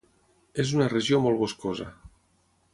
És una regió molt boscosa.